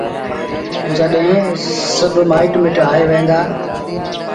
جڏهيݩ سڀ مآئيٚٽ مٽ آئي وهيݩ دآ